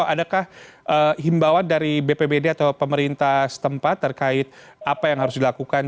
adakah himbawan dari bpbd atau pemerintah setempat terkait apa yang harus dilakukan